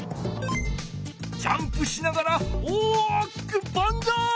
ジャンプしながら大きくバンザイ！